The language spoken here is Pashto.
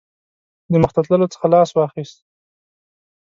د مخته تللو څخه لاس واخیست.